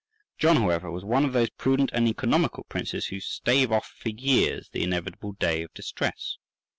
John however was one of those prudent and economical princes who stave off for years the inevitable day of distress.